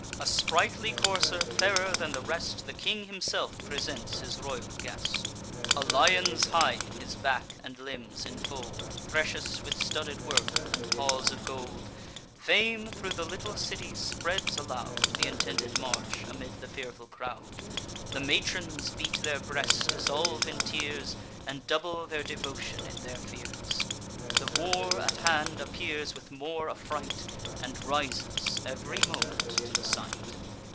A sprightly courser, fairer than the rest, The king himself presents his royal guest: A lion's hide his back and limbs infold, Precious with studded work, and paws of gold. Fame thro' the little city spreads aloud Th' intended march, amid the fearful crowd: The matrons beat their breasts, dissolve in tears, And double their devotion in their fears. The war at hand appears with more affright, And rises ev'ry moment to the sight.